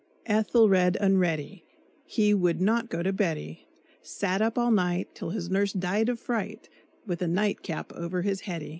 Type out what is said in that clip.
ETHELRED UNREADY, He would not go to beddy. Sat up all night, Till his nurse died of fright, With a nightcap over his heady.